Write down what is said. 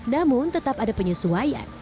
namun tetap ada penyesuaian